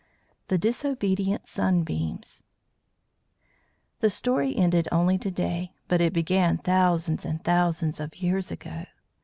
THE DISOBEDIENT SUNBEAMS The story ended only to day, but it began thousands and thousands of years ago.